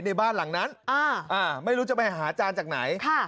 ในบ้านหลังนั้นไม่รู้จะไปหาอาจารย์จากไหน